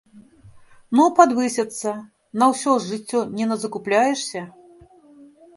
Ну, падвысяцца, на ўсё ж жыццё не назакупляешся!